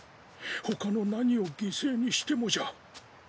ほかの何を犠牲にしてもじゃ。